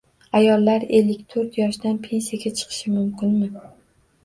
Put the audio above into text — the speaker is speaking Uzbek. Ayollar ellik to'rt yoshdan pensiyaga chiqishi mumkinmi?